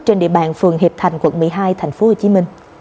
trên địa bàn phường hiệp thành quận một mươi hai tp hcm